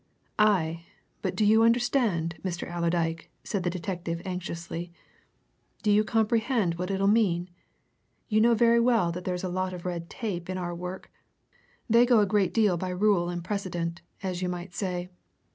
"Aye, but do you understand, Mr. Allerdyke?" said the detective anxiously. "Do you comprehend what it'll mean. You know very well that there's a lot of red tape in our work they go a great deal by rule and precedent, as you might say.